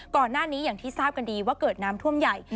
ก่อนหน้านี้อย่างที่ทราบกันดีว่าเกิดน้ำท่วมใหญ่